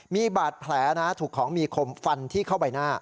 มีบาดแผลนะถูกของมีคมฟันที่เข้าใบหน้า